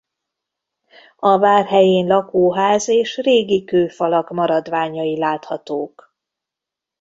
A vár helyén lakóház és régi kőfalak maradványai láthatók.